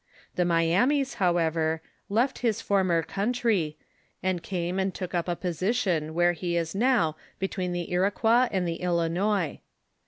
The Myamis, how ever, left his former country, and came and took up a posi tion where he is now between the Iroquois and the Ilinois.